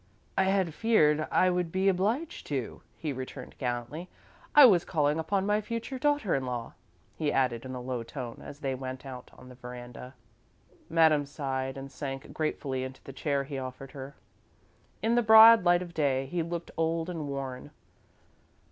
"I had feared I would be obliged to," he returned, gallantly. "I was calling upon my future daughter in law," he added, in a low tone, as they went out on the veranda. Madame sighed and sank gratefully into the chair he offered her. In the broad light of day, she looked old and worn.